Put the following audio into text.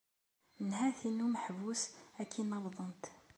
Nnhati n umeḥbus ad ak-in-awḍent.